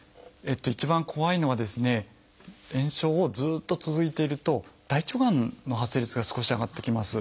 一番怖いのは炎症をずっと続いていると大腸がんの発生率が少し上がってきます。